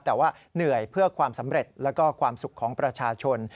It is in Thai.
แต่ว่าเหนื่อยเพื่อความสำเร็จแล้วก็ความสุขของประชาชน